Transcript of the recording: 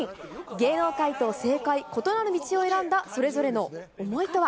芸能界と政界、異なる道を選んだそれぞれの思いとは。